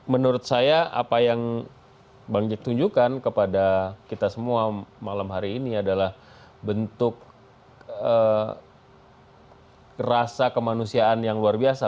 menurut saya apa yang bang jack tunjukkan kepada kita semua malam hari ini adalah bentuk rasa kemanusiaan yang luar biasa